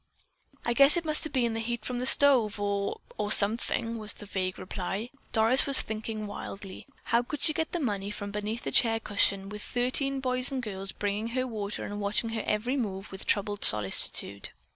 "I guess it must have been the heat from the stove or—or something," was the vague reply. Doris was thinking wildly. How could she get the money from beneath the chair cushion with thirteen boys and girls bringing her water and watching her every move with troubled solicitude.